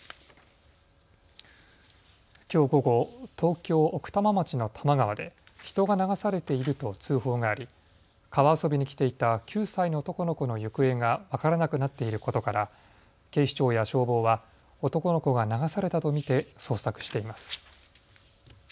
きょう午後、東京奥多摩町の多摩川で人が流されていると通報があり、川遊びに来ていた９歳の男の子の行方が分からなくなっていることから警視庁や消防は男の子が流されたと見て捜索しています。